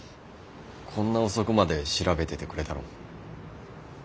こんな遅くまで調べててくれたの？